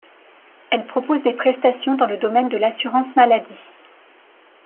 Elle propose des prestations dans le domaine de l'assurance maladie.